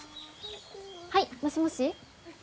はいもしもし。